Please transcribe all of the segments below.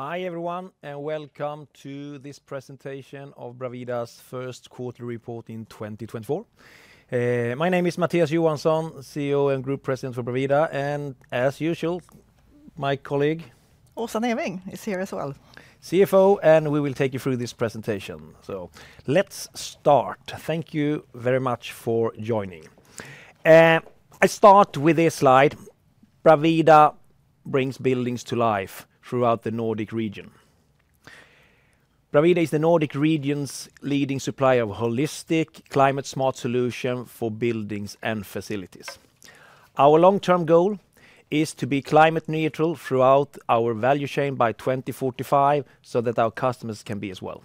Hi everyone and welcome to this presentation of Bravida's first quarterly report in 2024. My name is Mattias Johansson, CEO and Group President for Bravida, and as usual, my colleague. Åsa Neving is here as well. CFO, and we will take you through this presentation. So let's start. Thank you very much for joining. I start with this slide. Bravida brings buildings to life throughout the Nordic region. Bravida is the Nordic region's leading supplier of holistic, climate-smart solutions for buildings and facilities. Our long-term goal is to be climate-neutral throughout our value chain by 2045 so that our customers can be as well.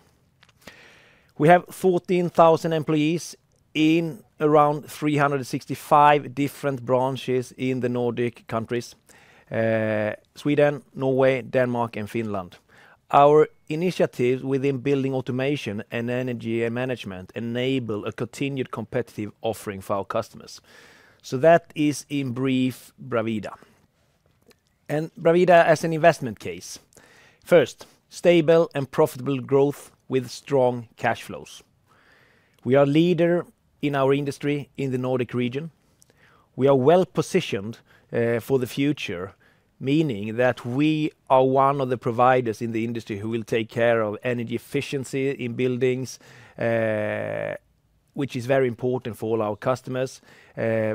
We have 14,000 employees in around 365 different branches in the Nordic countries, Sweden, Norway, Denmark, and Finland. Our initiatives within building automation and energy management enable a continued competitive offering for our customers. So that is, in brief, Bravida. And Bravida as an investment case. First, stable and profitable growth with strong cash flows. We are a leader in our industry in the Nordic region. We are well-positioned for the future, meaning that we are one of the providers in the industry who will take care of energy efficiency in buildings, which is very important for all our customers,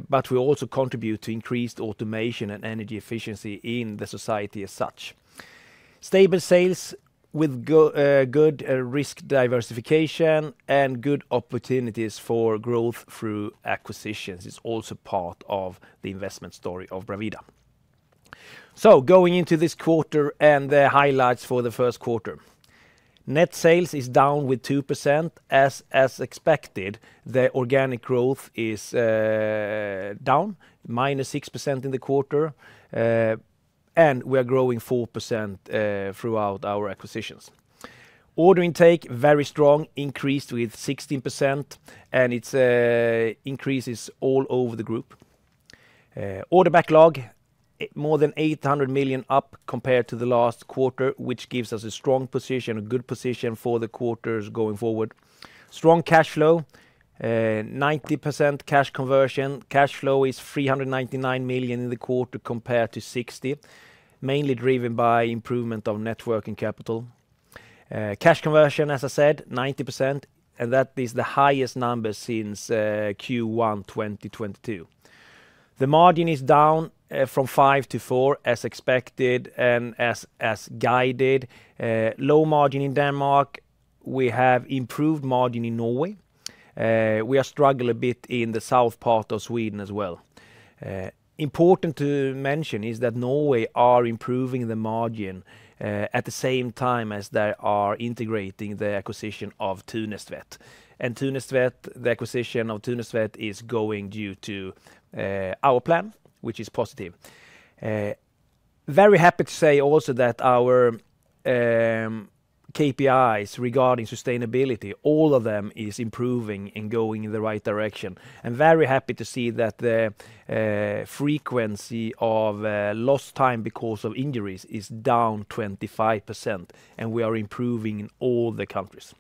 but we also contribute to increased automation and energy efficiency in the society as such. Stable sales with good risk diversification and good opportunities for growth through acquisitions is also part of the investment story of Bravida. So going into this quarter and the highlights for the first quarter. Net sales is down with -2% as expected. The organic growth is down -6% in the quarter, and we are growing +4% throughout our acquisitions. Order intake very strong, increased with +16%, and it's increases all over the group. Order backlog more than 800 million up compared to the last quarter, which gives us a strong position, a good position for the quarters going forward. Strong cash flow, 90% cash conversion. Cash flow is 399 million in the quarter compared to 60 million, mainly driven by improvement of net working capital. Cash conversion, as I said, 90%, and that is the highest number since Q1 2022. The margin is down from 5% to 4% as expected and as guided. Low margin in Denmark. We have improved margin in Norway. We are struggling a bit in the south part of Sweden as well. Important to mention is that Norway are improving the margin, at the same time as they are integrating the acquisition of Thunestvedt. And Thunestvedt, the acquisition of Thunestvedt is going due to our plan, which is positive. Very happy to say also that our KPIs regarding sustainability, all of them are improving and going in the right direction. Very happy to see that the frequency of lost time because of injuries is down 25%, and we are improving in all the countries.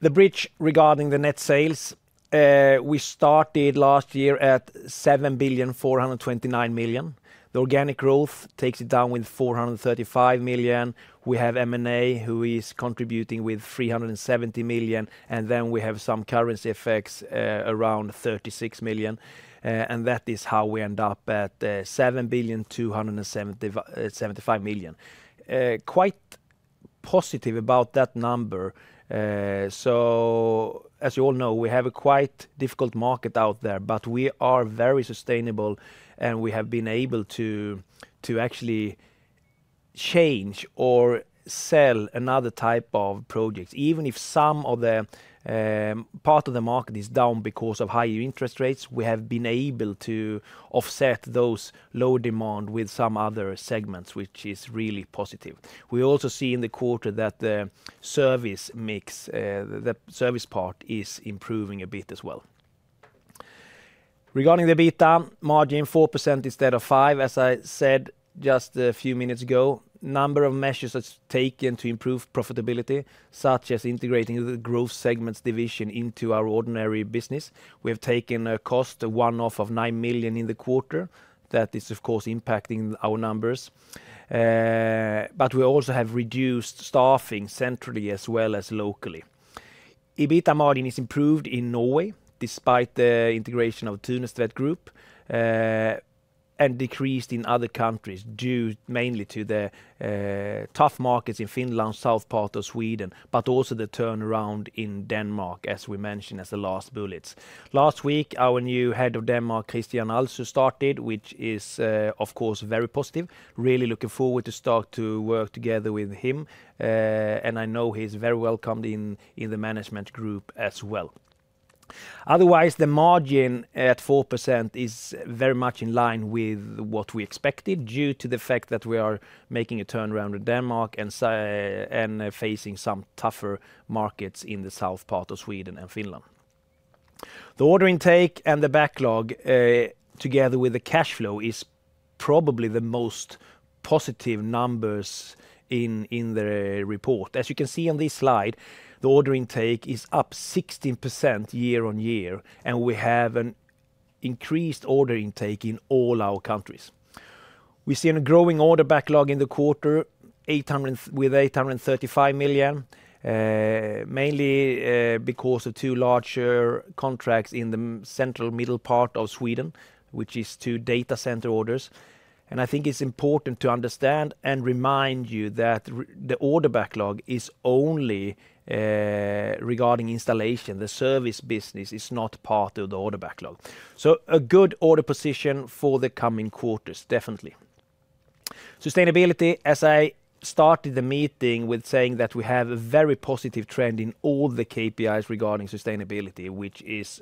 The bridge regarding the net sales, we started last year at 7,429,000,000. The organic growth takes it down with 435,000,000. We have M&A who is contributing with 370,000,000, and then we have some currency effects, around 36,000,000, and that is how we end up at 7,275,000,000. Quite positive about that number. As you all know, we have a quite difficult market out there, but we are very sustainable, and we have been able to to actually change or sell another type of projects. Even if some of the part of the market is down because of higher interest rates, we have been able to offset those low demand with some other segments, which is really positive. We also see in the quarter that the service mix, the service part is improving a bit as well. Regarding the EBIT margin 4% instead of 5% as I said just a few minutes ago. Number of measures that's taken to improve profitability, such as integrating the Growth Segments division into our ordinary business. We have taken a cost one-off of 9 million in the quarter. That is, of course, impacting our numbers. But we also have reduced staffing centrally as well as locally. EBITDA margin is improved in Norway despite the integration of Thunestvedt Group, and decreased in other countries due mainly to the tough markets in Finland, south part of Sweden, but also the turnaround in Denmark as we mentioned as the last bullets. Last week our new head of Denmark, Kristian Aalsø, started, which is, of course very positive. Really looking forward to start to work together with him, and I know he's very welcomed in the management group as well. Otherwise, the margin at 4% is very much in line with what we expected due to the fact that we are making a turnaround in Denmark and facing some tougher markets in the south part of Sweden and Finland. The order intake and the backlog, together with the cash flow is probably the most positive numbers in the report. As you can see on this slide, the order intake is up 16% year-over-year, and we have an increased order intake in all our countries. We see a growing order backlog in the quarter with 835 million, mainly because of two larger contracts in the central middle part of Sweden, which are two data center orders. I think it's important to understand and remind you that the order backlog is only regarding installation. The service business is not part of the order backlog. So a good order position for the coming quarters, definitely. Sustainability, as I started the meeting with saying that we have a very positive trend in all the KPIs regarding sustainability, which is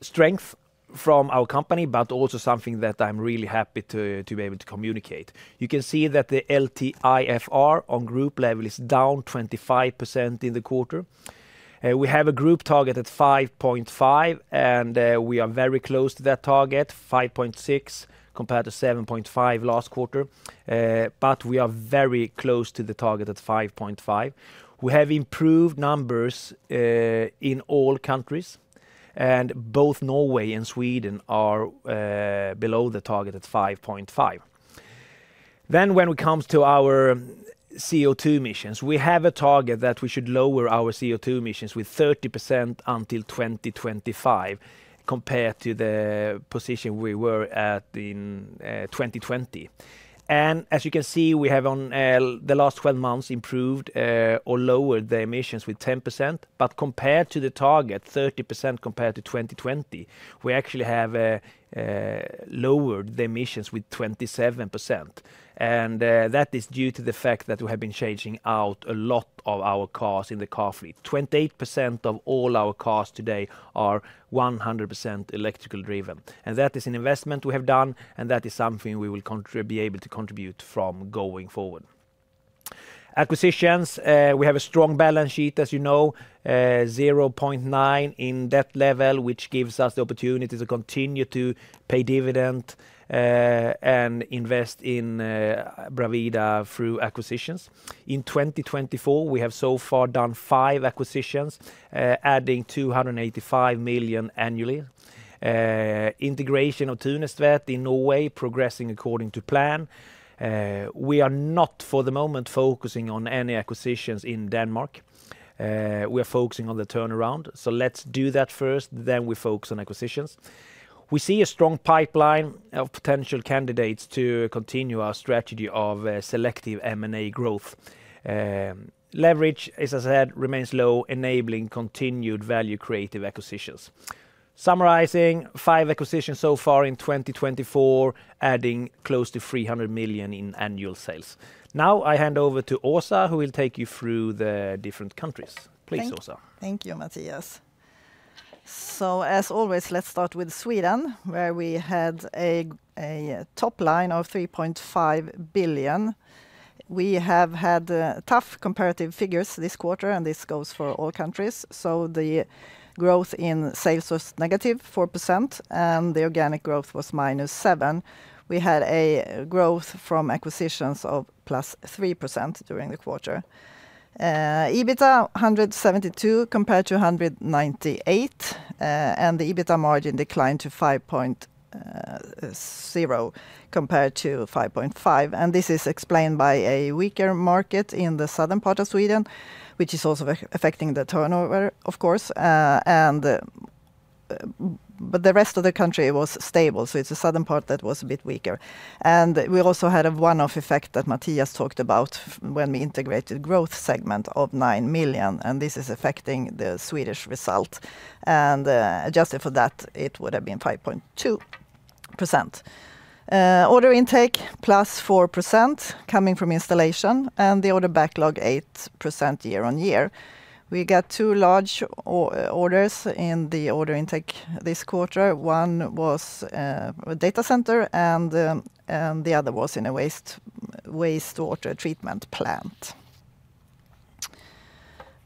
strength from our company but also something that I'm really happy to be able to communicate. You can see that the LTIFR on group level is down 25% in the quarter. We have a group target at 5.5, and we are very close to that target, 5.6 compared to 7.5 last quarter. But we are very close to the target at 5.5. We have improved numbers in all countries, and both Norway and Sweden are below the target at 5.5. Then when it comes to our CO2 emissions, we have a target that we should lower our CO2 emissions with 30% until 2025 compared to the position we were at in 2020. And as you can see, we have, on the last 12 months, improved, or lowered the emissions with 10%, but compared to the target, 30% compared to 2020, we actually have lowered the emissions with 27%. And that is due to the fact that we have been changing out a lot of our cars in the car fleet. 28% of all our cars today are 100% electrical driven. And that is an investment we have done, and that is something we will be able to contribute from going forward. Acquisitions, we have a strong balance sheet as you know, 0.9 in debt level, which gives us the opportunity to continue to pay dividend, and invest in Bravida through acquisitions. In 2024, we have so far done five acquisitions, adding 285 million annually. Integration of Thunestvedt in Norway progressing according to plan. We are not for the moment focusing on any acquisitions in Denmark. We are focusing on the turnaround. So let's do that first, then we focus on acquisitions. We see a strong pipeline of potential candidates to continue our strategy of selective M&A growth. Leverage, as I said, remains low, enabling continued value-creative acquisitions. Summarizing, five acquisitions so far in 2024 adding close to 300 million in annual sales. Now I hand over to Åsa who will take you through the different countries. Please, Åsa. Thank you, Mattias. So as always, let's start with Sweden where we had a top line of 3.5 billion. We have had tough comparative figures this quarter, and this goes for all countries. So the growth in sales was -4%, and the organic growth was -7%. We had a growth from acquisitions of +3% during the quarter. EBITDA 172 million compared to 198 million, and the EBITDA margin declined to 5.0% compared to 5.5%. And this is explained by a weaker market in the southern part of Sweden, which is also affecting the turnover, of course, and but the rest of the country was stable, so it's the southern part that was a bit weaker. And we also had a one-off effect that Mattias talked about when we integrated Growth Segments of 9 million, and this is affecting the Swedish result. And, adjusted for that, it would have been 5.2%. Order intake +4% coming from installation and the order backlog +8% year-on-year. We got two large orders in the order intake this quarter. One was a data center, and the other was in a wastewater treatment plant.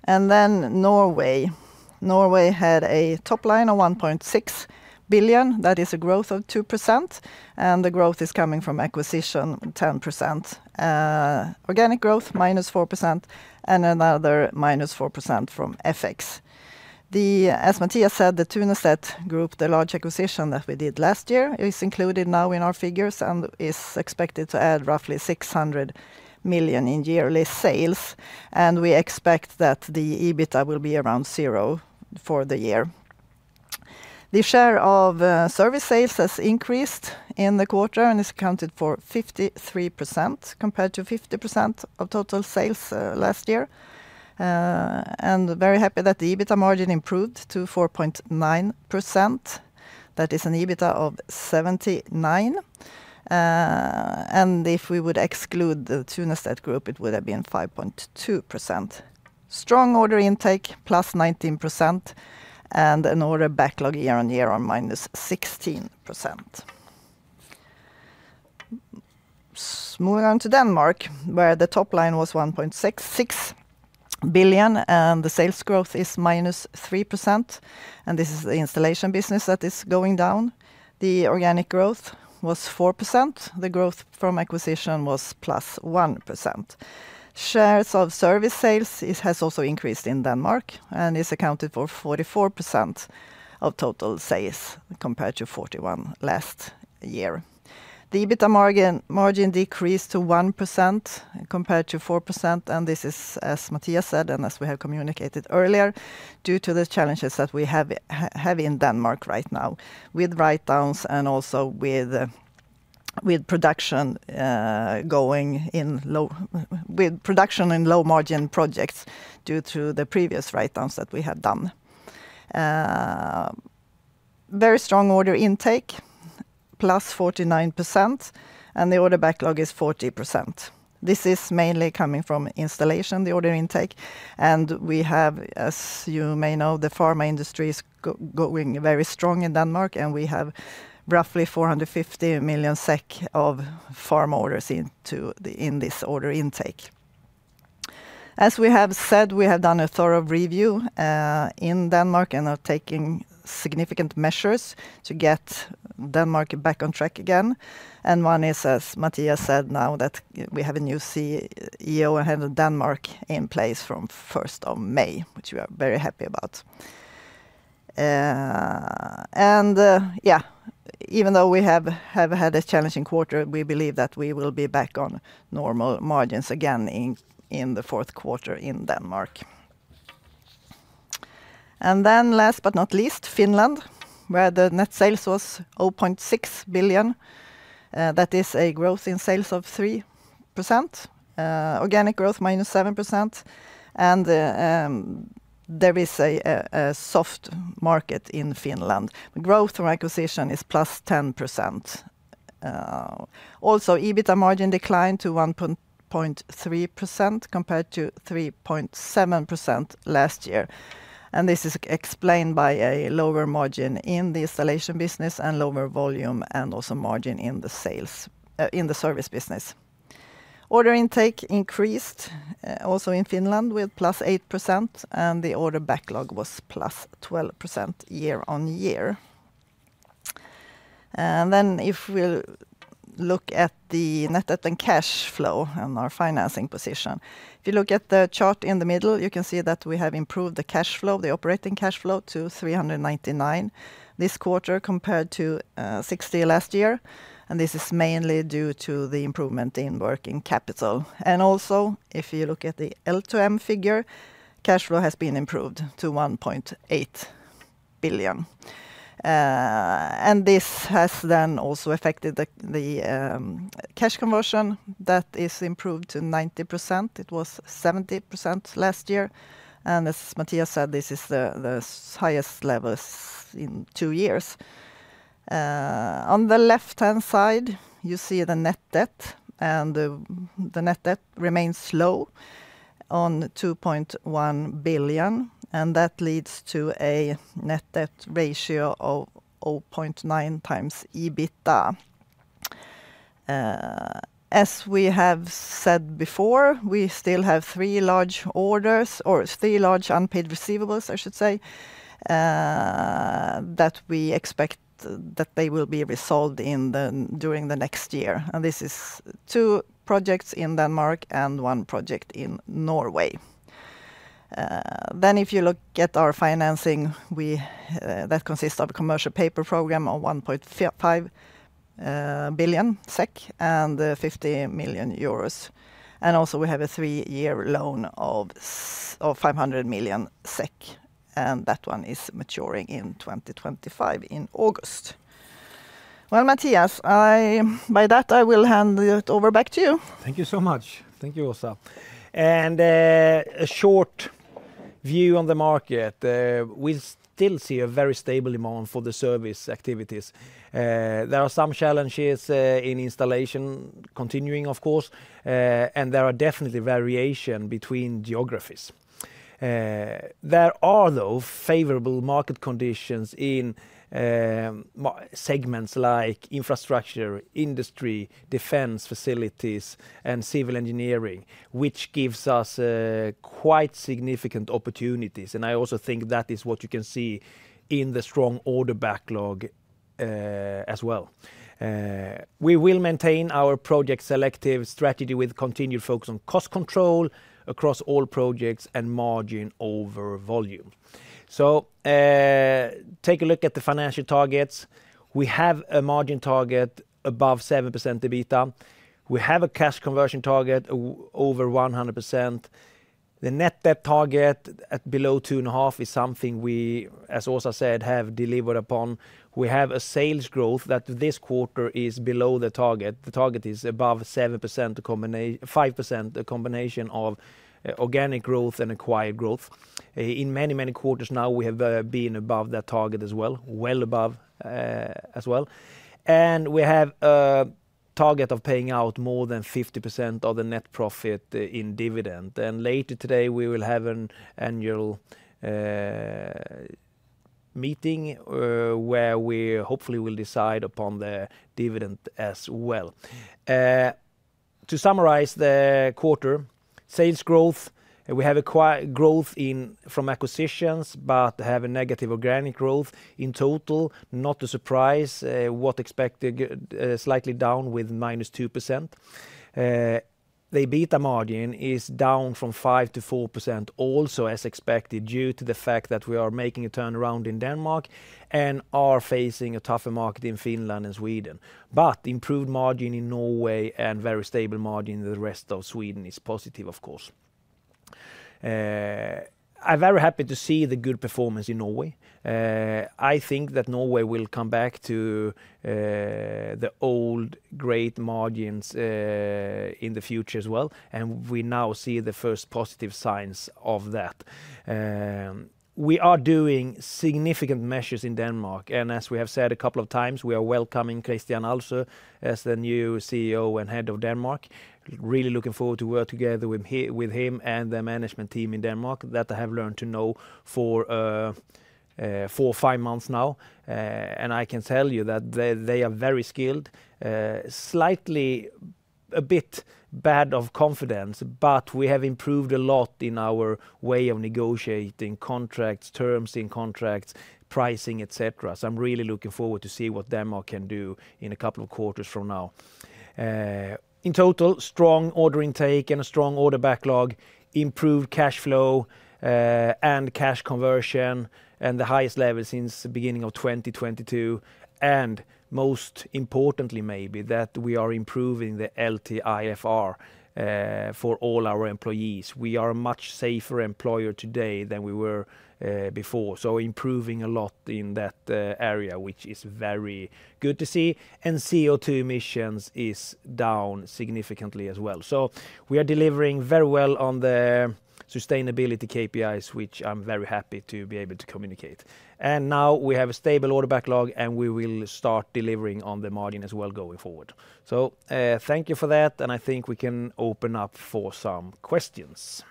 Then Norway. Norway had a top line of 1.6 billion. That is a growth of 2%, and the growth is coming from acquisition +10%, organic growth -4% and another -4% from FX. As Mattias said, the Thunestvedt Group, the large acquisition that we did last year, is included now in our figures and is expected to add roughly 600 million in yearly sales. We expect that the EBITDA will be around 0% for the year. The share of service sales has increased in the quarter and is accounted for 53% compared to 50% of total sales last year. Very happy that the EBITDA margin improved to 4.9%. That is an EBITDA of 79%. If we would exclude the Thunestvedt Group, it would have been 5.2%. Strong order intake +19% and an order backlog year-on-year -16%. Moving on to Denmark where the top line was 1.6 billion and the sales growth is -3%. This is the installation business that is going down. The organic growth was 4%. The growth from acquisition was +1%. Shares of service sales have also increased in Denmark and is accounted for 44% of total sales compared to 41% last year. The EBITDA margin decreased to 1% compared to 4%, and this is, as Mattias said and as we have communicated earlier, due to the challenges that we have in Denmark right now with write-downs and also with production, going in low with production in low-margin projects due to the previous write-downs that we have done. Very strong order intake +49% and the order backlog is 40%. This is mainly coming from installation, the order intake. And we have, as you may know, the pharma industry is going very strong in Denmark, and we have roughly 450,000,000 SEK of pharma orders into the in this order intake. As we have said, we have done a thorough review, in Denmark and are taking significant measures to get Denmark back on track again. And one is, as Mattias said, now that we have a new CEO and have Denmark in place from 1st of May, which we are very happy about. And yeah, even though we have had a challenging quarter, we believe that we will be back on normal margins again in the fourth quarter in Denmark. And then last but not least, Finland where the net sales was 0.6 billion. That is a growth in sales of 3%, organic growth -7%. And there is a soft market in Finland. Growth from acquisition is +10%. Also EBITDA margin declined to 1.3% compared to 3.7% last year. And this is explained by a lower margin in the installation business and lower volume and also margin in the sales in the service business. Order intake increased also in Finland with +8%, and the order backlog was +12% year-on-year. Then if we look at the net debt and cash flow and our financing position, if you look at the chart in the middle, you can see that we have improved the cash flow, the operating cash flow to 399 million this quarter compared to 60 million last year. And this is mainly due to the improvement in working capital. And also if you look at the LTMM figure, cash flow has been improved to 1.8 billion. And this has then also affected the cash conversion. That is improved to 90%. It was 70% last year. And as Mattias said, this is the highest level in two years. On the left-hand side, you see the net debt. And the net debt remains low on 2.1 billion. And that leads to a net debt ratio of 0.9 times EBITDA. As we have said before, we still have three large orders or three large unpaid receivables, I should say, that we expect that they will be resolved during the next year. This is two projects in Denmark and one project in Norway. If you look at our financing, which consists of a commercial paper program of 1.5 billion SEK and 50 million euros. Also we have a three-year loan of 500 million SEK. And that one is maturing in August 2025. Well, Mattias, with that, I will hand it over back to you. Thank you so much. Thank you, Åsa. A short view on the market. We still see a very stable demand for the service activities. There are some challenges in installation continuing, of course. There are definitely variations between geographies. There are though favorable market conditions in segments like infrastructure, industry, defense facilities, and civil engineering, which gives us quite significant opportunities. I also think that is what you can see in the strong order backlog, as well. We will maintain our project selective strategy with continued focus on cost control across all projects and margin over volume. Take a look at the financial targets. We have a margin target above 7% EBITDA. We have a cash conversion target over 100%. The net debt target at below 2.5% is something we, as Åsa said, have delivered upon. We have a sales growth that this quarter is below the target. The target is above 7%, 5% combination of organic growth and acquired growth. In many, many quarters now, we have been above that target as well, well above as well. We have a target of paying out more than 50% of the net profit in dividend. Later today, we will have an annual meeting where we hopefully will decide upon the dividend as well. To summarize the quarter, sales growth, we have acquired growth from acquisitions but have a negative organic growth in total. Not a surprise. What expected? Slightly down with -2%. The EBITDA margin is down from 5%-4% also as expected due to the fact that we are making a turnaround in Denmark and are facing a tougher market in Finland and Sweden. But improved margin in Norway and very stable margin in the rest of Sweden is positive, of course. I'm very happy to see the good performance in Norway. I think that Norway will come back to, the old great margins, in the future as well. And we now see the first positive signs of that. We are doing significant measures in Denmark. And as we have said a couple of times, we are welcoming Kristian Aalsø as the new CEO and head of Denmark. Really looking forward to work together with him and the management team in Denmark that I have learned to know for, four, five months now. And I can tell you that they are very skilled. Slightly a bit bad of confidence, but we have improved a lot in our way of negotiating contracts, terms in contracts, pricing, etc. So I'm really looking forward to see what Denmark can do in a couple of quarters from now. In total, strong order intake and a strong order backlog, improved cash flow, and cash conversion and the highest level since the beginning of 2022. And most importantly, maybe that we are improving the LTIFR, for all our employees. We are a much safer employer today than we were, before. So improving a lot in that, area, which is very good to see. And CO2 emissions is down significantly as well. So we are delivering very well on the sustainability KPIs, which I'm very happy to be able to communicate. And now we have a stable order backlog, and we will start delivering on the margin as well going forward. So, thank you for that. And I think we can open up for some questions.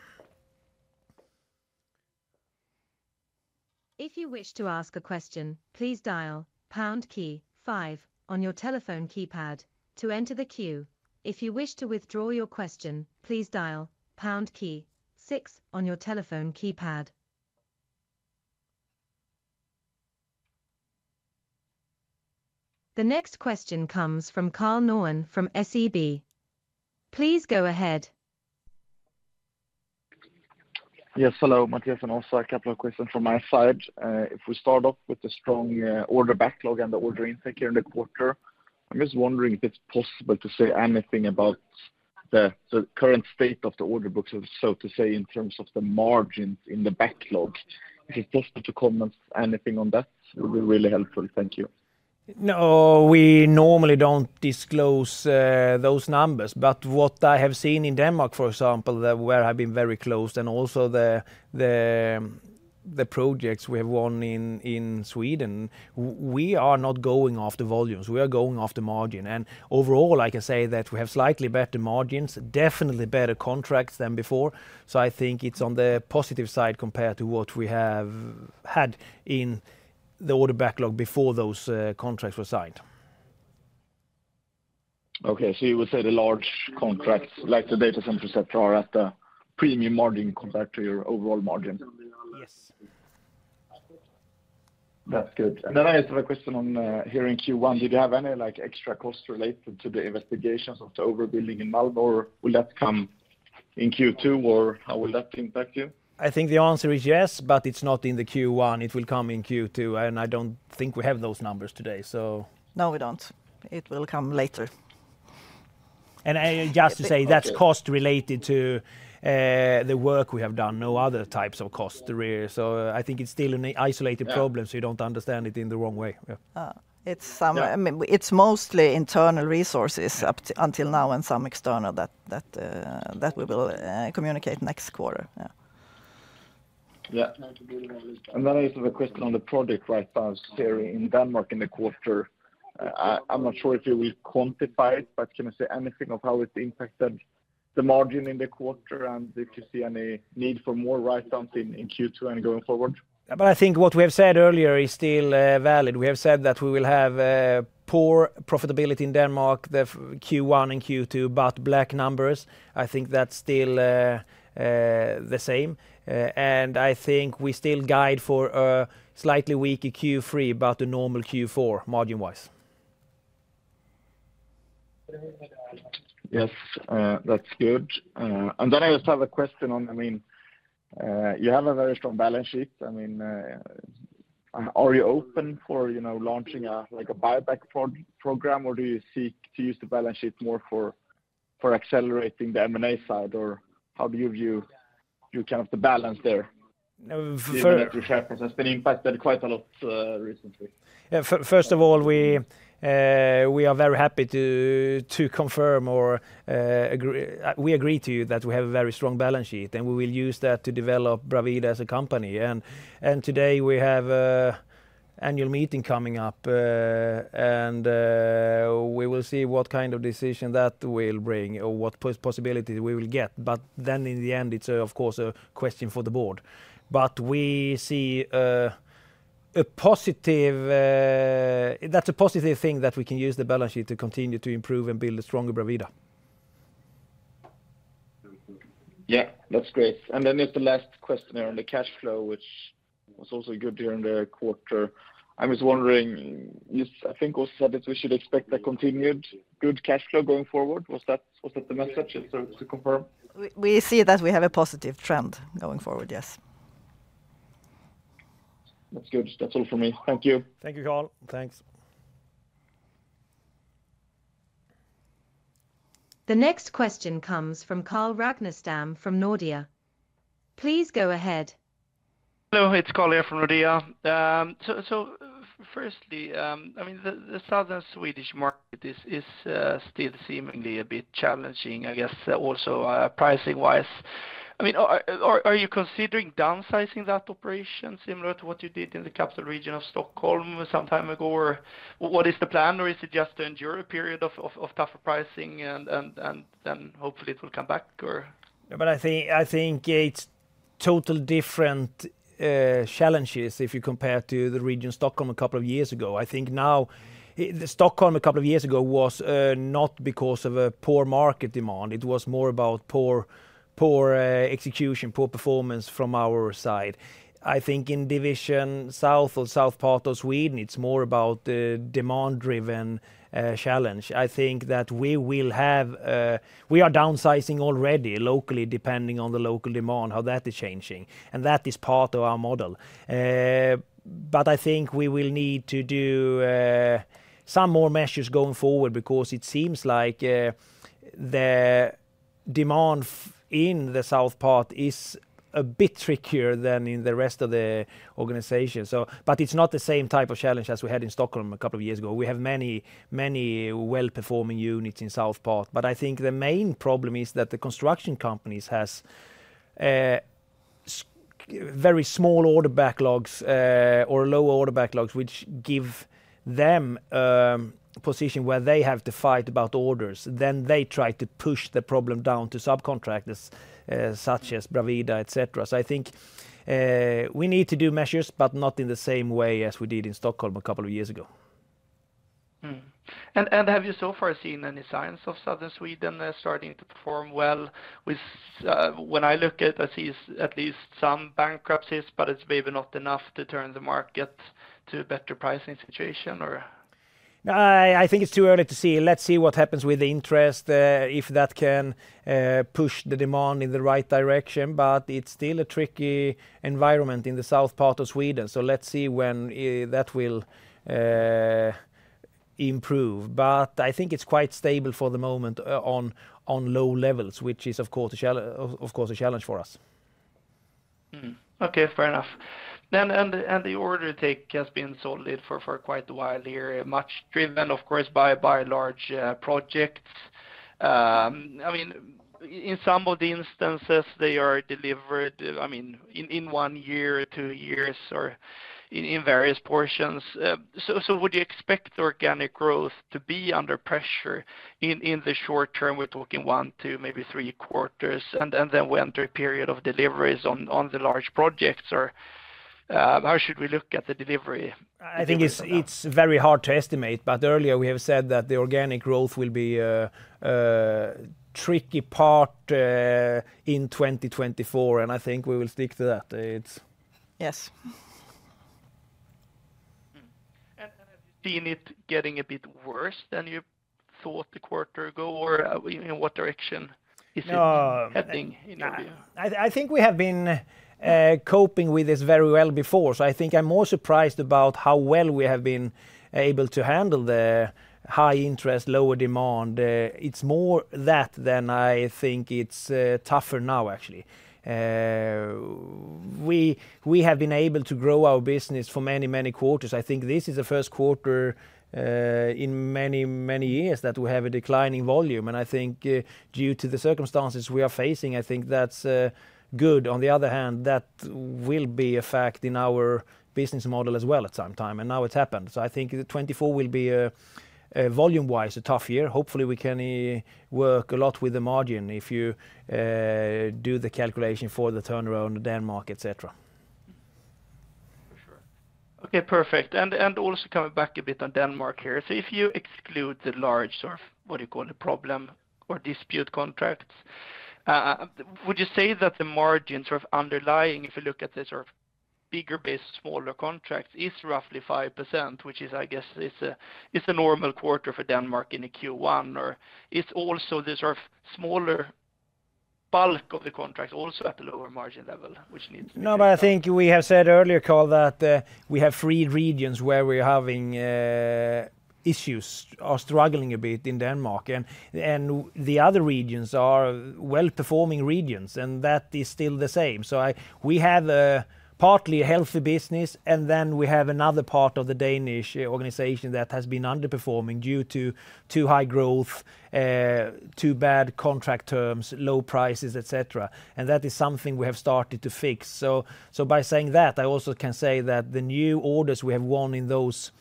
If you wish to ask a question, please dial pound key 5 on your telephone keypad to enter the queue. If you wish to withdraw your question, please dial pound key 6 on your telephone keypad. The next question comes from Karl Norén from SEB. Please go ahead. Yes, hello, Mattias and Åsa. A couple of questions from my side. If we start off with the strong order backlog and the order intake here in the quarter, I'm just wondering if it's possible to say anything about the current state of the order books, so to say, in terms of the margins in the backlog. If it's possible to comment anything on that, it would be really helpful. Thank you. No, we normally don't disclose those numbers. But what I have seen in Denmark, for example, where I've been very close and also the projects we have won in Sweden, we are not going after volumes. We are going after margin. And overall, I can say that we have slightly better margins, definitely better contracts than before. So I think it's on the positive side compared to what we have had in the order backlog before those contracts were signed. Okay. So you would say the large contracts, like the data center sector, are at the premium margin compared to your overall margin? Yes. That's good. And then I have a question on here in Q1. Did you have any extra costs related to the investigations of the overbilling in Malmö, or will that come in Q2, or how will that impact you? I think the answer is yes, but it's not in the Q1. It will come in Q2. And I don't think we have those numbers today, so... No, we don't. It will come later. Just to say, that's cost-related to the work we have done. No other types of costs there are. I think it's still an isolated problem, so you don't understand it in the wrong way. It's mostly internal resources until now and some external that we will communicate next quarter. Yeah. And then I have a question on the project write-downs there in Denmark in the quarter. I'm not sure if you will quantify it, but can you say anything of how it's impacted the margin in the quarter and if you see any need for more write-downs in Q2 and going forward? But I think what we have said earlier is still valid. We have said that we will have poor profitability in Denmark Q1 and Q2 but black numbers. I think that's still the same. I think we still guide for a slightly weaker Q3 but a normal Q4 margin-wise. Yes, that's good. And then I just have a question on, I mean, you have a very strong balance sheet. I mean, are you open for launching a buyback program, or do you seek to use the balance sheet more for accelerating the M&A side, or how do you view kind of the balance there? For... The share price has been impacted quite a lot recently. Yeah, first of all, we are very happy to confirm or we agree to you that we have a very strong balance sheet, and we will use that to develop Bravida as a company. Today, we have an annual meeting coming up, and we will see what kind of decision that will bring or what possibilities we will get. Then in the end, it's of course a question for the board. We see a positive that's a positive thing that we can use the balance sheet to continue to improve and build a stronger Bravida. Yeah, that's great. Then just the last question here on the cash flow, which was also good during the quarter. I'm just wondering, I think Åsa said that we should expect a continued good cash flow going forward. Was that the message to confirm? We see that we have a positive trend going forward, yes. That's good. That's all from me. Thank you. Thank you, Karl. Thanks. The next question comes from Carl Ragnerstam from Nordea. Please go ahead. Hello, it's Carl here from Nordea. So firstly, I mean, the southern Swedish market is still seemingly a bit challenging, I guess, also pricing-wise. I mean, are you considering downsizing that operation similar to what you did in the capital region of Stockholm some time ago, or what is the plan, or is it just to endure a period of tougher pricing and then hopefully it will come back, or? Yeah, but I think it's totally different challenges if you compare to the region Stockholm a couple of years ago. I think, now, Stockholm a couple of years ago was not because of a poor market demand. It was more about poor execution, poor performance from our side. I think in division south or south part of Sweden, it's more about the demand-driven challenge. I think that we are downsizing already locally depending on the local demand, how that is changing. And that is part of our model. But I think we will need to do some more measures going forward because it seems like the demand in the south part is a bit trickier than in the rest of the organization. But it's not the same type of challenge as we had in Stockholm a couple of years ago. We have many well-performing units in south part. But I think the main problem is that the construction companies have very small order backlogs or lower order backlogs, which give them a position where they have to fight about orders. Then they try to push the problem down to subcontractors such as Bravida, etc. So I think we need to do measures but not in the same way as we did in Stockholm a couple of years ago. Have you so far seen any signs of southern Sweden starting to perform well? When I look at it, I see at least some bankruptcies, but it's maybe not enough to turn the market to a better pricing situation, or? No, I think it's too early to see. Let's see what happens with the interest, if that can push the demand in the right direction. It's still a tricky environment in the south part of Sweden. Let's see when that will improve. I think it's quite stable for the moment on low levels, which is of course a challenge for us. Okay, fair enough. The order intake has been solid for quite a while here, much driven, of course, by large projects. I mean, in some of the instances, they are delivered, I mean, in one year, two years, or in various portions. So would you expect organic growth to be under pressure in the short term? We're talking one, two, maybe three quarters. And then we enter a period of deliveries on the large projects, or how should we look at the delivery? I think it's very hard to estimate, but earlier we have said that the organic growth will be a tricky part in 2024. I think we will stick to that. Yes. Have you seen it getting a bit worse than you thought a quarter ago, or in what direction is it heading in Nordea? No, I think we have been coping with this very well before. So I think I'm more surprised about how well we have been able to handle the high interest, lower demand. It's more that than I think it's tougher now, actually. We have been able to grow our business for many, many quarters. I think this is the first quarter in many, many years that we have a declining volume. And I think due to the circumstances we are facing, I think that's good. On the other hand, that will be a fact in our business model as well at some time. And now it's happened. So I think 2024 will be volume-wise a tough year. Hopefully, we can work a lot with the margin if you do the calculation for the turnaround in Denmark, etc. For sure. Okay, perfect. Also coming back a bit on Denmark here. So if you exclude the large sort of, what do you call it, problem or dispute contracts, would you say that the margin sort of underlying, if you look at the sort of bigger-based, smaller contracts, is roughly 5%, which is, I guess, it's a normal quarter for Denmark in Q1, or is also the sort of smaller bulk of the contracts also at the lower margin level, which needs to be? No, but I think we have said earlier, Carl, that we have three regions where we're having issues, are struggling a bit in Denmark. The other regions are well-performing regions, and that is still the same. We have partly a healthy business, and then we have another part of the Danish organization that has been underperforming due to too high growth, too bad contract terms, low prices, etc. That is something we have started to fix. By saying that, I also can say that the new orders we have won in those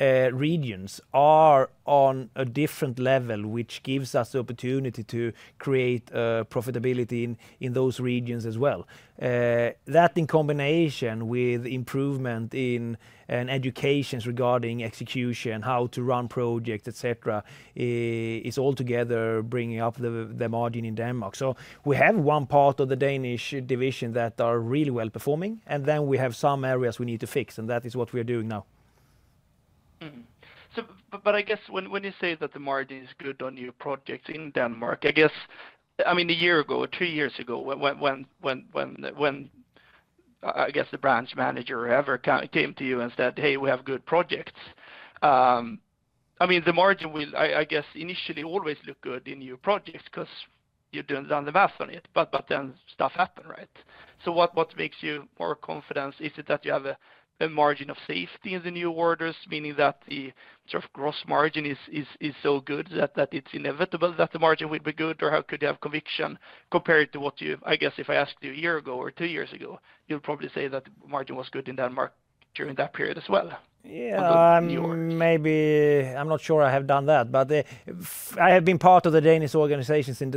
regions are on a different level, which gives us the opportunity to create profitability in those regions as well. That in combination with improvement in educations regarding execution, how to run projects, etc., is altogether bringing up the margin in Denmark. We have one part of the Danish division that are really well-performing, and then we have some areas we need to fix. That is what we are doing now. But I guess when you say that the margin is good on new projects in Denmark, I guess, I mean, a year ago or two years ago, when I guess the branch manager or whoever came to you and said, "Hey, we have good projects," I mean, the margin will, I guess, initially always look good in new projects because you've done the math on it. But then stuff happen, right? So what makes you more confident? Is it that you have a margin of safety in the new orders, meaning that the sort of gross margin is so good that it's inevitable that the margin would be good, or how could you have conviction compared to what you, I guess, if I asked you a year ago or two years ago, you'd probably say that the margin was good in Denmark during that period as well? Yeah, maybe. I'm not sure I have done that. But I have been part of the Danish organizations since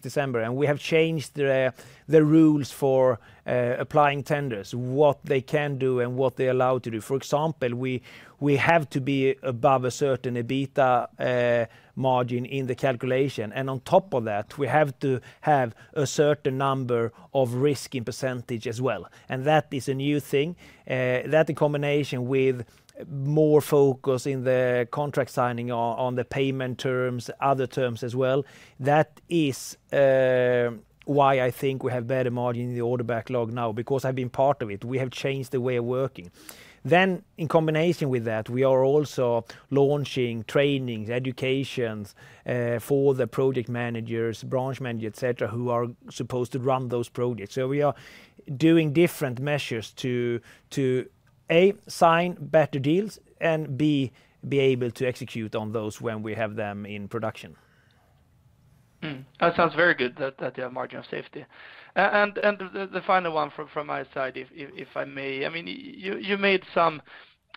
December, and we have changed the rules for applying tenders, what they can do and what they're allowed to do. For example, we have to be above a certain EBITDA margin in the calculation. And on top of that, we have to have a certain number of risk in percentage as well. And that is a new thing. That in combination with more focus in the contract signing on the payment terms, other terms as well, that is why I think we have better margin in the order backlog now because I've been part of it. We have changed the way of working. Then in combination with that, we are also launching trainings, educations for the project managers, branch managers, etc., who are supposed to run those projects. So we are doing different measures to, A, sign better deals, and, B, be able to execute on those when we have them in production. That sounds very good, that you have margin of safety. The final one from my side, if I may, I mean, you made some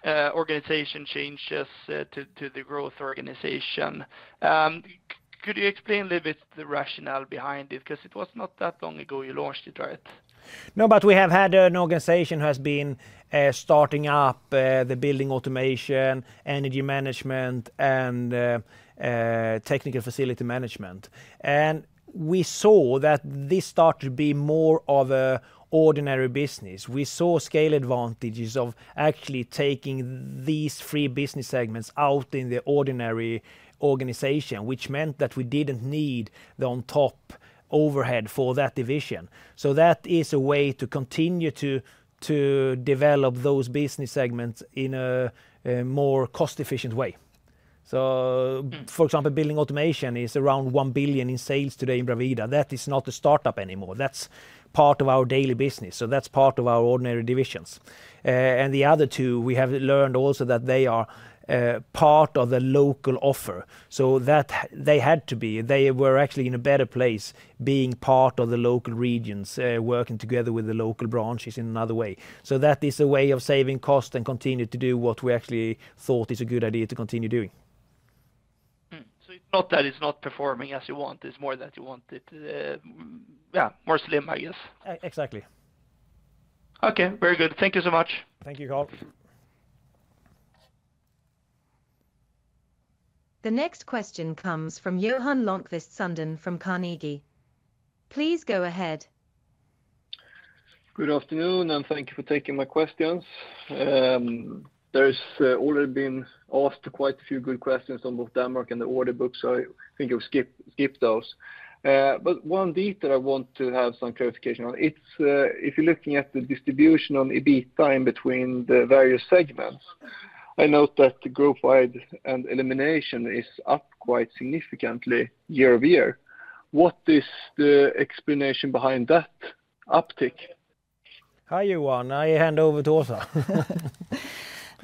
organization changes to the growth organization. Could you explain a little bit the rationale behind it? Because it was not that long ago you launched it, right? No, but we have had an organization who has been starting up the building automation, energy management, and technical facility management. We saw that this started to be more of an ordinary business. We saw scale advantages of actually taking these three business segments out in the ordinary organization, which meant that we didn't need the on-top overhead for that division. That is a way to continue to develop those business segments in a more cost-efficient way. For example, building automation is around 1 billion in sales today in Bravida. That is not a startup anymore. That's part of our daily business. That's part of our ordinary divisions. The other two, we have learned also that they are part of the local offer. So they had to be. They were actually in a better place being part of the local regions, working together with the local branches in another way. That is a way of saving cost and continue to do what we actually thought is a good idea to continue doing. It's not that it's not performing as you want. It's more that you want it, yeah, more slim, I guess. Exactly. Okay, very good. Thank you so much. Thank you, Carl. The next question comes from Johan Lönnqvist Sundén from Carnegie. Please go ahead. Good afternoon, and thank you for taking my questions. There's already been asked quite a few good questions on both Denmark and the order books, so I think I'll skip those. But one detail I want to have some clarification on. If you're looking at the distribution on EBITDA in between the various segments, I note that the growth-wide and elimination is up quite significantly year-over-year. What is the explanation behind that uptick? Hi, Johan. I hand over to Åsa. No,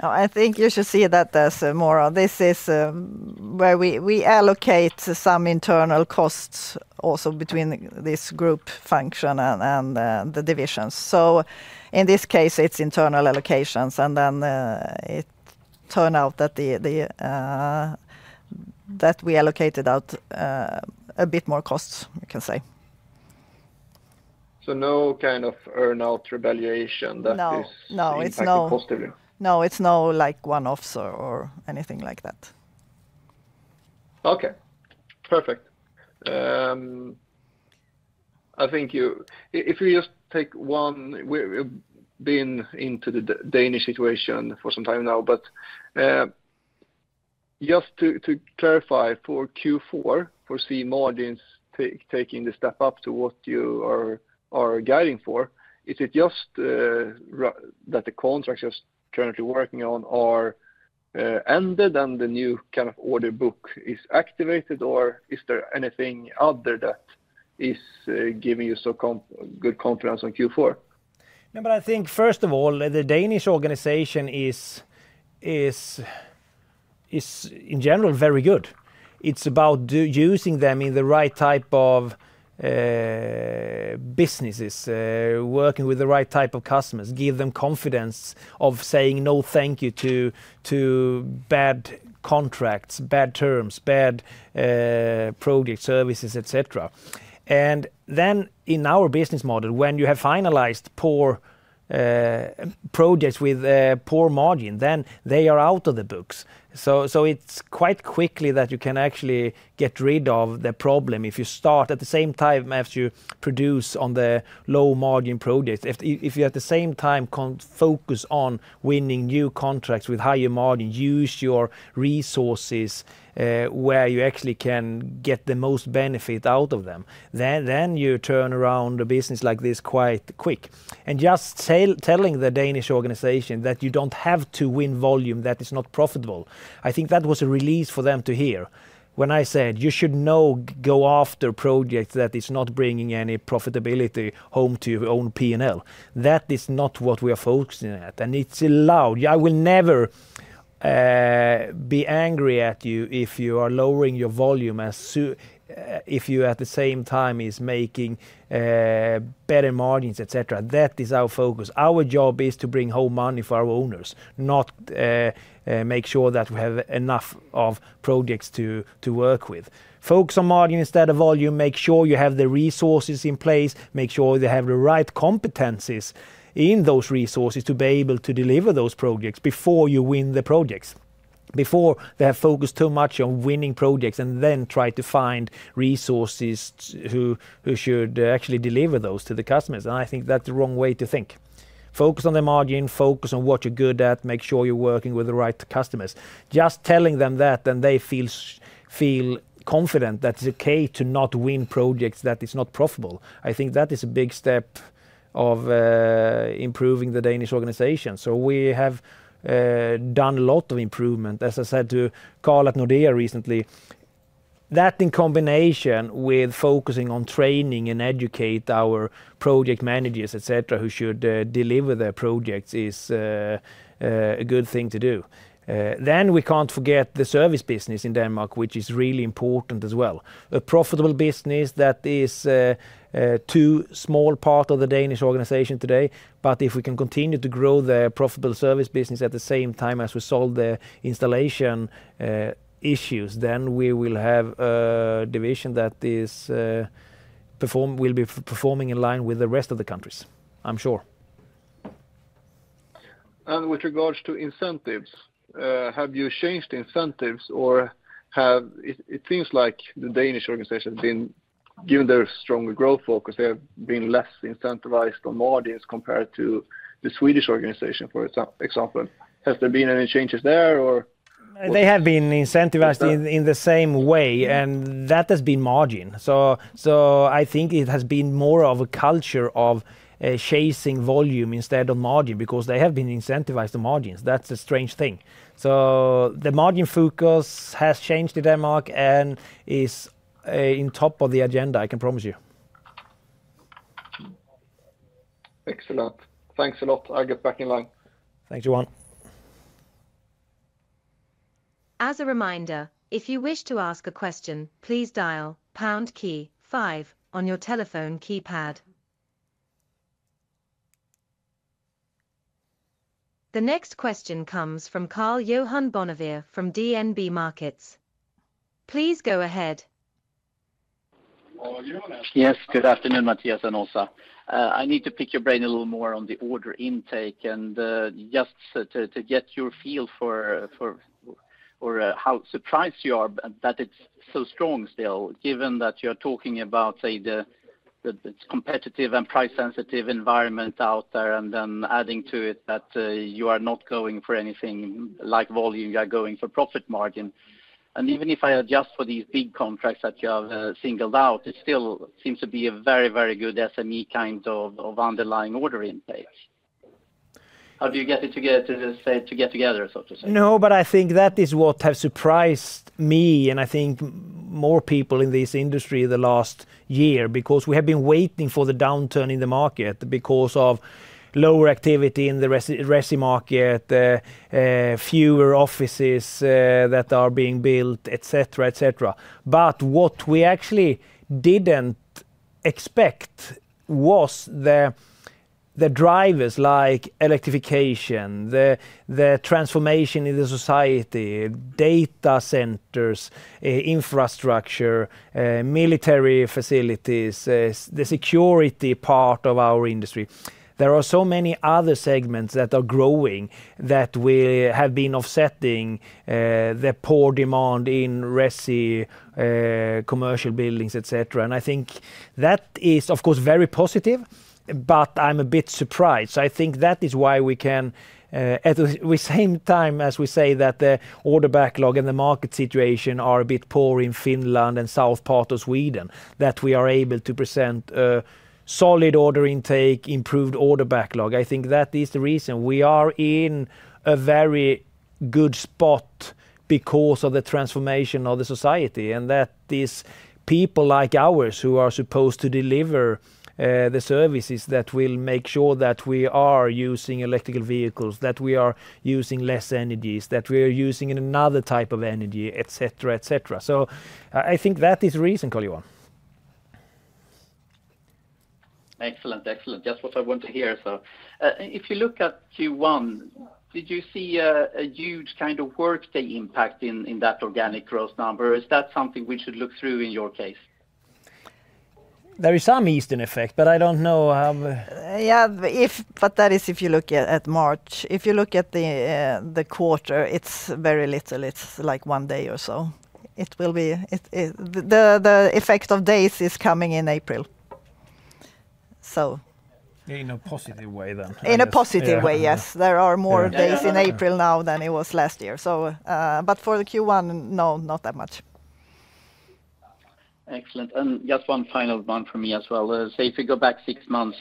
I think you should see that as more. This is where we allocate some internal costs also between this group function and the divisions. So in this case, it's internal allocations. And then it turned out that we allocated out a bit more costs, you can say. No kind of earn-out revaluation that is kind of positively? No, it's no one-offs or anything like that. Okay, perfect. I think if you just take one, we've been into the Danish situation for some time now. But just to clarify, for Q4, for seeing margins taking the step up to what you are guiding for, is it just that the contracts you're currently working on are ended and the new kind of order book is activated, or is there anything other that is giving you so good confidence on Q4? No, but I think first of all, the Danish organization is in general very good. It's about using them in the right type of businesses, working with the right type of customers, give them confidence of saying no thank you to bad contracts, bad terms, bad projects, services, etc. Then in our business model, when you have finalized poor projects with poor margin, then they are out of the books. It's quite quickly that you can actually get rid of the problem if you start at the same time as you produce on the low-margin projects. If you at the same time can't focus on winning new contracts with higher margin, use your resources where you actually can get the most benefit out of them, then you turn around the business like this quite quick. Just telling the Danish organization that you don't have to win volume that is not profitable, I think that was a release for them to hear. When I said, "You should now go after projects that is not bringing any profitability home to your own P&L," that is not what we are focusing at. And it's allowed. I will never be angry at you if you are lowering your volume as soon as you at the same time are making better margins, etc. That is our focus. Our job is to bring home money for our owners, not make sure that we have enough of projects to work with. Focus on margin instead of volume. Make sure you have the resources in place. Make sure they have the right competencies in those resources to be able to deliver those projects before you win the projects, before they have focused too much on winning projects and then try to find resources who should actually deliver those to the customers. I think that's the wrong way to think. Focus on the margin. Focus on what you're good at. Make sure you're working with the right customers. Just telling them that, then they feel confident that it's okay to not win projects that is not profitable. I think that is a big step of improving the Danish organization. We have done a lot of improvement, as I said to Carl at Nordea recently. That in combination with focusing on training and educate our project managers, etc., who should deliver their projects is a good thing to do. We can't forget the service business in Denmark, which is really important as well, a profitable business that is too small part of the Danish organization today. But if we can continue to grow the profitable service business at the same time as we solve the installation issues, then we will have a division that will be performing in line with the rest of the countries, I'm sure. With regards to incentives, have you changed incentives, or it seems like the Danish organization has been given their stronger growth focus. They have been less incentivized on margins compared to the Swedish organization, for example. Has there been any changes there, or? They have been incentivized in the same way, and that has been margin. So I think it has been more of a culture of chasing volume instead of margin because they have been incentivized on margins. That's a strange thing. So the margin focus has changed in Denmark and is on top of the agenda, I can promise you. Excellent. Thanks a lot. I'll get back in line. Thanks, Johan. As a reminder, if you wish to ask a question, please dial pound key 5 on your telephone keypad. The next question comes from Karl-Johan Bonnevier from DNB Markets. Please go ahead. Yes, good afternoon, Mattias and Åsa. I need to pick your brain a little more on the order intake and just to get your feel for how surprised you are that it's so strong still, given that you are talking about, say, the competitive and price-sensitive environment out there and then adding to it that you are not going for anything like volume. You are going for profit margin. And even if I adjust for these big contracts that you have singled out, it still seems to be a very, very good SME kind of underlying order intake. How do you get it together, so to say? No, but I think that is what has surprised me and I think more people in this industry the last year because we have been waiting for the downturn in the market because of lower activity in the residential market, fewer offices that are being built, etc., etc. But what we actually didn't expect was the drivers like electrification, the transformation in the society, data centers, infrastructure, military facilities, the security part of our industry. There are so many other segments that are growing that will have been offsetting the poor demand in residential and commercial buildings, etc. And I think that is, of course, very positive, but I'm a bit surprised. So I think that is why we can, at the same time as we say that the order backlog and the market situation are a bit poor in Finland and south part of Sweden, that we are able to present solid order intake, improved order backlog. I think that is the reason. We are in a very good spot because of the transformation of the society, and that is people like ours who are supposed to deliver the services that will make sure that we are using electrical vehicles, that we are using less energies, that we are using another type of energy, etc., etc. So I think that is the reason, Karl-Johan. Excellent, excellent. Just what I want to hear. So if you look at Q1, did you see a huge kind of workday impact in that organic growth number, or is that something we should look through in your case? There is some Easter effect, but I don't know how. Yeah, but that is if you look at March. If you look at the quarter, it's very little. It's like one day or so. The effect of days is coming in April, so. In a positive way then? In a positive way, yes. There are more days in April now than it was last year. But for Q1, no, not that much. Excellent. And just one final one from me as well. Say if you go back six months,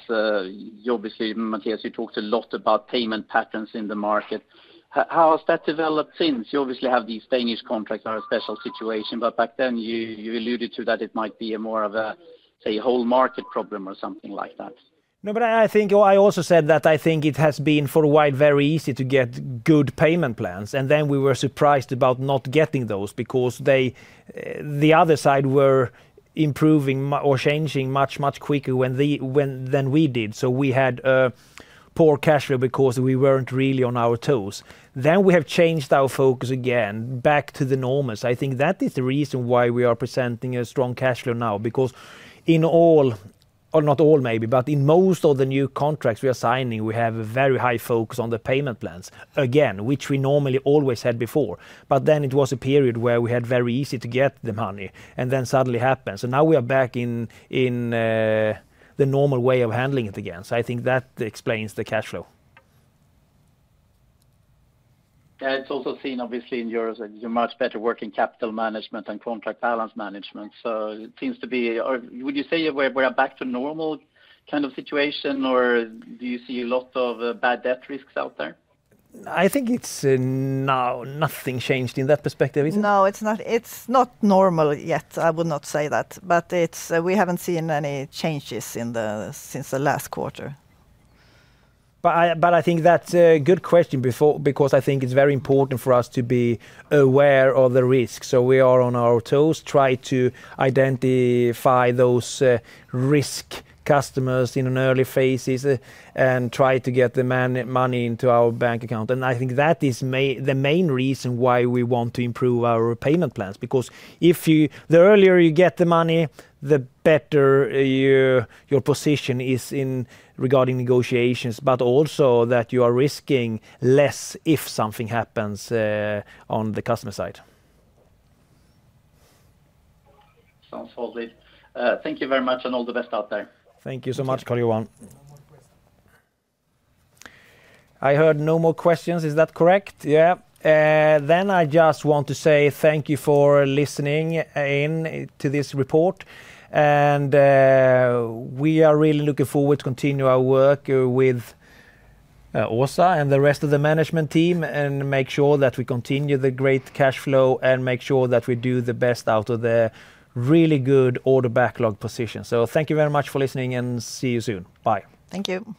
obviously, Mattias, you talked a lot about payment patterns in the market. How has that developed since? You obviously have these Danish contracts that are a special situation, but back then you alluded to that it might be more of a, say, whole market problem or something like that. No, but I think I also said that I think it has been for a while very easy to get good payment plans, and then we were surprised about not getting those because the other side were improving or changing much, much quicker than we did. So we had poor cash flow because we weren't really on our toes. Then we have changed our focus again back to the normals. I think that is the reason why we are presenting a strong cash flow now because in all or not all maybe, but in most of the new contracts we are signing, we have a very high focus on the payment plans again, which we normally always had before. But then it was a period where we had very easy to get the money, and then suddenly it happened. So now we are back in the normal way of handling it again. So I think that explains the cash flow. Yeah, it's also seen, obviously, in Europe, that you're much better working capital management and contract balance management. So it seems to be, or would you say we're back to normal kind of situation, or do you see a lot of bad debt risks out there? I think it's nothing changed in that perspective, is it? No, it's not normal yet. I would not say that. But we haven't seen any changes since the last quarter. But I think that's a good question because I think it's very important for us to be aware of the risks. So we are on our toes, try to identify those risk customers in early phases and try to get the money into our bank account. And I think that is the main reason why we want to improve our payment plans because the earlier you get the money, the better your position is regarding negotiations, but also that you are risking less if something happens on the customer side. Sounds solid. Thank you very much and all the best out there. Thank you so much, Karl-Johan. No more questions. I heard no more questions. Is that correct? Yeah. Then I just want to say thank you for listening in to this report. And we are really looking forward to continuing our work with Åsa and the rest of the management team and make sure that we continue the great cash flow and make sure that we do the best out of the really good order backlog position. So thank you very much for listening, and see you soon. Bye. Thank you.